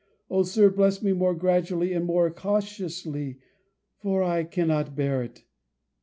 O, Sir, bless me more gradually, and more cautiously for I cannot bear it!"